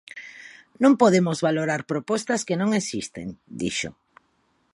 Non podemos valorar propostas que non existen, dixo.